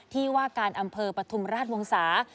ที่ว่าการอำเภอประทุมราชวงศาสตร์